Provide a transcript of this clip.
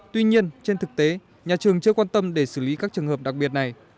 tuy nhiên trên thực tế nhà trường chưa quan tâm để xử lý các trường hợp đặc biệt này